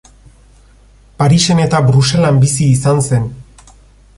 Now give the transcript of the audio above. Parisen eta Bruselan bizi izan zen.